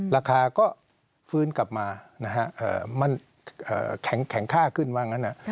ราคาก็ฟื้นกลับมานะครับมันแข็งค่าขึ้นบ้างนะครับ